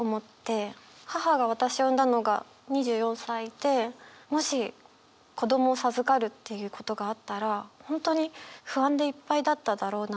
母が私を産んだのが２４歳でもし子どもを授かるっていうことがあったら本当に不安でいっぱいだっただろうなと思って。